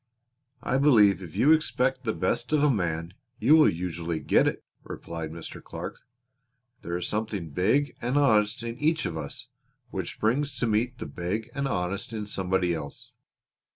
"I believe if you expect the best of a man you will usually get it," replied Mr. Clark. "There is something big and honest in each of us which springs to meet the big and honest in somebody else.